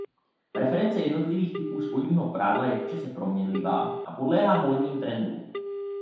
Preference jednotlivých typů spodního prádla je v čase proměnlivá a podléhá módním trendům.